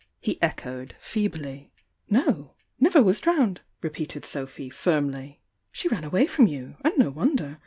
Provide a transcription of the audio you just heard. he echoed, feebly. Iv "^L^^''^' '^''%d' °^ned!" repeated Sophy, firm ty. She ran away from you and no wonder!